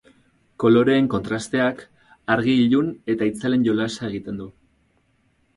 Koloreen kontrasteak, argi ilun eta itzalen jolasa egiten du.